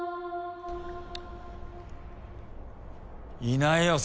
いないよ